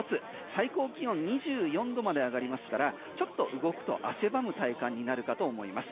最高気温２４度まで上がりますからちょっと動くと汗ばむ体感になるかと思います。